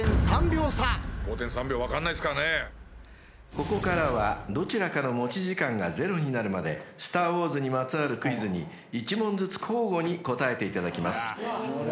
［ここからはどちらかの持ち時間がゼロになるまで『スター・ウォーズ』にまつわるクイズに１問ずつ交互に答えていただきます］